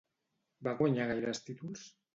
Va guanyar gaires títols?